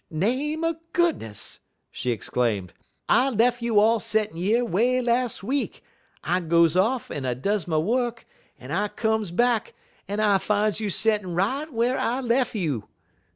"Name er goodness!" she exclaimed, "I lef' you all settin' yer way las' week; I goes off un I does my wuk, un I comes back, un I fines you settin' right whar I lef' you.